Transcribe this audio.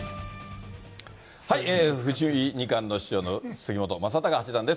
藤井二冠の師匠の杉本昌隆八段です。